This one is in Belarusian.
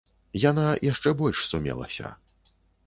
Яна яшчэ больш сумелася.